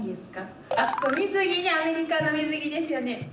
あ水着ねアメリカの水着ですよね。